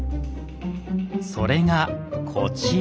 それがこちら。